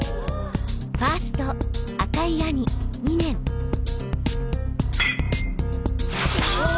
ファースト赤井兄２年おお！